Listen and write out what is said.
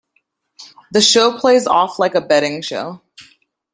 The show plays off like a betting show.